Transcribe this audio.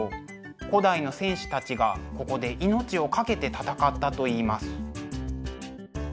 古代の戦士たちがここで命を懸けて戦ったといいます。